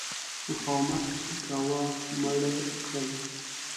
مقاومت کاوه مړه کړل.